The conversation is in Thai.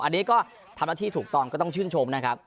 อันนี้ก็ทำหน้าที่ถูกต้องก็ต้องชื่นชมนะครับ